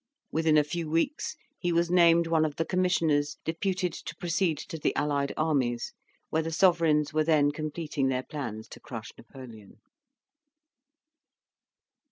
Within a few weeks he was named one of the Commissioners deputed to proceed to the Allied Armies, where the Sovereigns were then completing their plans to crush Napoleon.